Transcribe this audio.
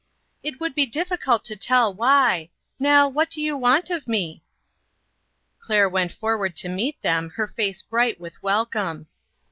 "It would be difficult to tell why. Now, what do you want of me?" Claire went forward to meet them, her face bright with welcome.